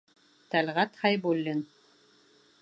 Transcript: Тәлғәт ХӘЙБУЛЛИН.